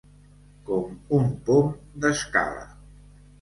Com un pom d'escala.